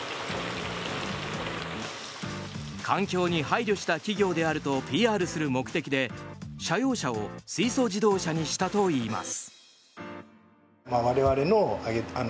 環境に配慮した企業であるとＰＲする目的で社用車を水素自動車にしたといいます。